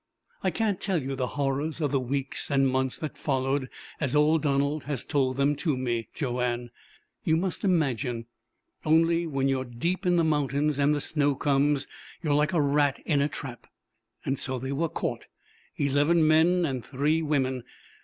"I can't tell you the horrors of the weeks and months that followed, as old Donald has told them to me, Joanne. You must imagine. Only, when you are deep in the mountains, and the snow comes, you are like a rat in a trap. So they were caught eleven men and three women.